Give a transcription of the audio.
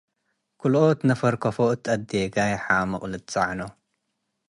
ክልኦት ነፈር ከአፎ እት አ'ዴጋይ ሐምቅ ልትጸዐኖ።